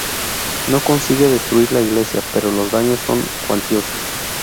No consigue destruir la iglesia, pero los daños son cuantiosos.